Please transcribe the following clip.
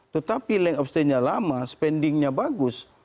tetapi lengkau stay nya lama spendingnya bagus